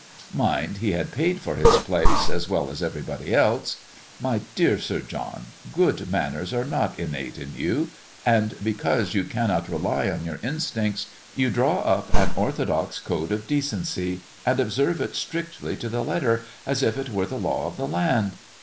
Mind he had paid for his place, as well as everybody else. My dear Sir John, good manners are not innate in you; and because you cannot rely on your instincts, you draw up an orthodox code of decency, and observe it strictly to the letter, as if it were the law of the land.